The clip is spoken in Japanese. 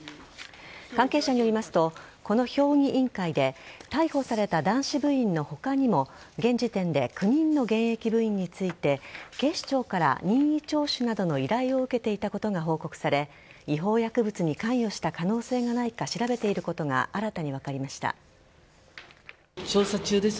関係者によりますとこの評議員会で逮捕された男子部員の他にも現時点で９人の現役部員について警視庁から任意聴取などの依頼を受けていたことが報告され違法薬物に関与した可能性がないか調べていることが新たに分かりました。